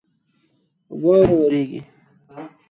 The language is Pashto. واوره وریږي